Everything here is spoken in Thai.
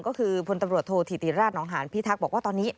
ก็คือพตโธถิติราชน์น้องหารพี่ทักบอกว่าตอนนี้